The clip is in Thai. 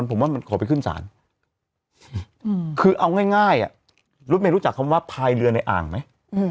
ผมว่ามันขอไปขึ้นศาลคือเอาง่ายรถเมย์รู้จักคำว่าพายเรือในอ่างไหม